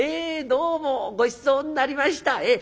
「どうもごちそうになりました。